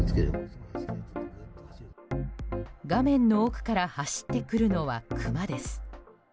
画面の奥から走ってくるのはクマです。